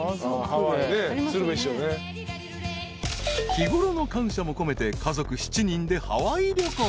［日ごろの感謝も込めて家族７人でハワイ旅行］